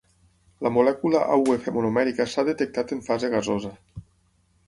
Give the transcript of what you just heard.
La molècula AuF monomèrica s'ha detectat en fase gasosa.